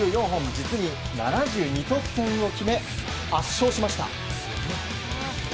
実に７２得点を決め圧勝しました。